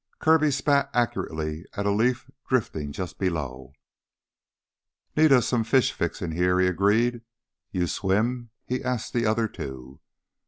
Kirby spat accurately at a leaf drifting just below. "Need us some fish fixin's heah," he agreed. "You swim?" he asked the other two.